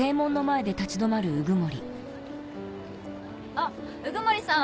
あっ鵜久森さん